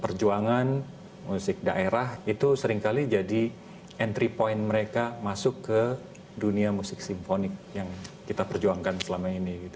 perjuangan musik daerah itu seringkali jadi entry point mereka masuk ke dunia musik simfonik yang kita perjuangkan selama ini